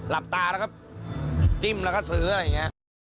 หลับตาแล้วก็จิ้มแล้วก็ซื้ออะไรอย่างนี้